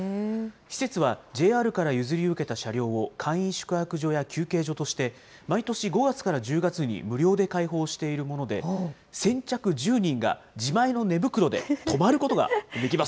施設はＪＲから譲り受けた車両を、簡易宿泊所や休憩所として、毎年５月から１０月に無料で開放しているもので、先着１０人が自前の寝袋で泊まることができます。